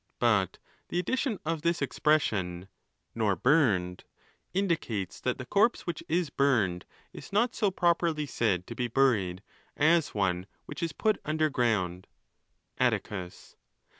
But the addition of this expression, "nor burned," indicates, that the corpse which is burned is not.so properly said to be buried as one which is put under ground. . Atticus.